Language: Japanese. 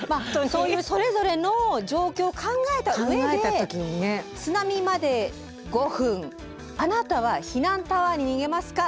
そういうそれぞれの状況を考えた上で津波まで５分あなたは避難タワーに逃げますか？